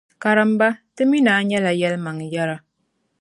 Karimba, ti mi ni a nyɛla yɛlimaŋyɛra.